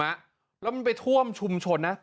แล้วมันไปท่วมชุมชนนะ